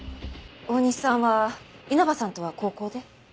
大西さんは稲葉さんとは高校で？